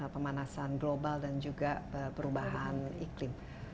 pemanasan global dan juga perubahan iklim